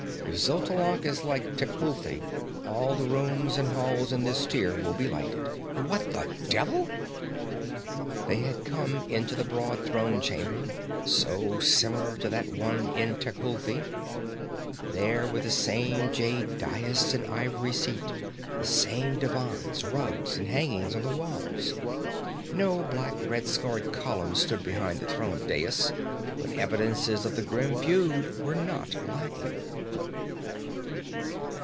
If Xotalanc is like Tecuhltli, all the rooms and halls in this tier will be lighted what the devil!" They had come into the broad throne chamber, so similar to that one in Tecuhltli. There were the same jade dais and ivory seat, the same divans, rugs and hangings on the walls. No black, red scarred column stood behind the throne dais, but evidences of the grim feud were not lacking.